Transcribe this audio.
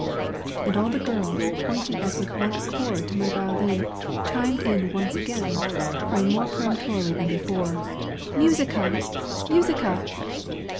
And all the girls, pointing as with one accord to my violin, chimed in once again, crying more peremptorily than before, "Musica! Musica!"